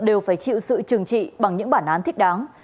đều phải chịu sự trừng trị bằng những bản án thích đáng